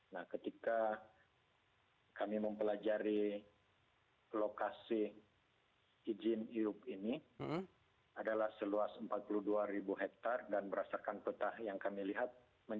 nah ketika kami mempelajari lokasi izin iup ini adalah seluas empat puluh dua ribu hektare dan berdasarkan peta yang kami lihat